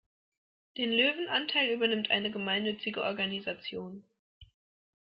Den Löwenanteil übernimmt eine gemeinnützige Organisation.